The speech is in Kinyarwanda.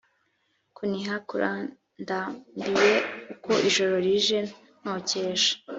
kuniha kurandambiye uko ijoro rije ntotesha